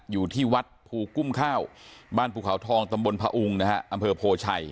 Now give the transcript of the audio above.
อยู่ที่วัดภูกุ้มข้าวบ้านภูเขาทองตำบลพระอุงนะฮะอำเภอโพชัย